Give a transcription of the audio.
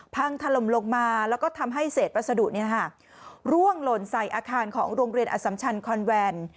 พังถล่มลงมาแล้วก็ทำให้เศษวัสดุร่วงหล่นใส่อาคารของโรงเรียนอสัมชันคอนแวน